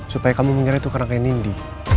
supaya kamu menyerah itu kerangkaian nindi